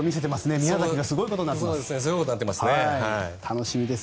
宮崎がすごいことになっています。